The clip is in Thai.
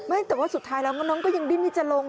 ไม่แต่ว่าสุดท้ายแล้วน้องก็ยังดิ้นมิจรง